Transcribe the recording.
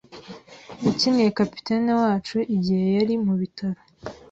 Nakiniye kapiteni wacu igihe yari mu bitaro.